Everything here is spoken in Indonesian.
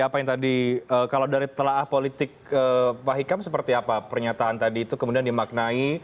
apa yang tadi kalau dari telah politik pak hikam seperti apa pernyataan tadi itu kemudian dimaknai